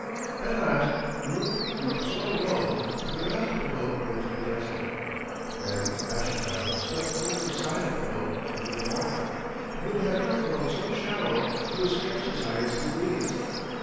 At last the roof grew so low that the mast of the boat wedged against it. Then Ashipattle stepped over the side of the boat into the water, and it had grown so shallow it was scarce as high as his knees.